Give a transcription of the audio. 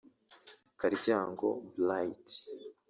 Karyango Blight